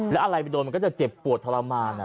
แล้วอะไรไปโดนมันก็จะเจ็บปวดทรมาน